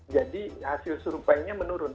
jadi hasil surveinya menurun